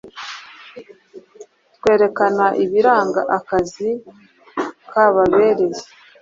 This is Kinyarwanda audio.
twerekana ibibaranga, akazi kababereye,